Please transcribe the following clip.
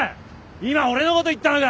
今オレのこと言ったのか！